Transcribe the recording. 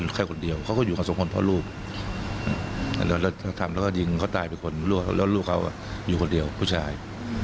แล้วถ้าทำแล้วก็ยิงเขาตายเป็นคนแล้วลูกเขาอยู่คนเดียวผู้ชาย